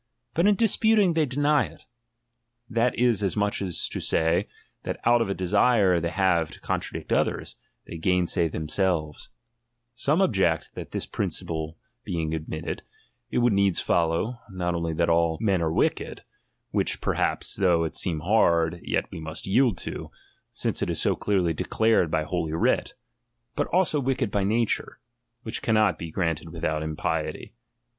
But in disputing they deny that is as much as to say, that out of a desire ley have to contradict others, they gainsay them Some object that this principle being ad litted, it would needs follow, not only that all XVI THE PREFACE men were wicked, (which perhaps though it seem hard, yet we must yield to, since it is so clearly declared by holy writ), but also wicked by nature, which cannot be granted without impiety.